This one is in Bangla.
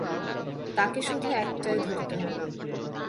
তাকে শুধু একটাই ধরতে হবে।